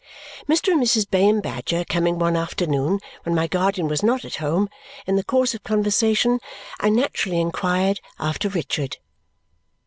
Mr. and Mrs. Bayham Badger coming one afternoon when my guardian was not at home, in the course of conversation I naturally inquired after Richard.